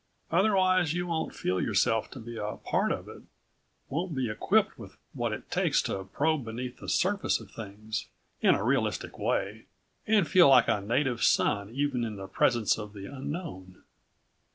Otherwise you won't feel yourself to be a part of it, won't be equipped with what it takes to probe beneath the surface of things in a realistic way and feel like a native son even in the presence of the unknown.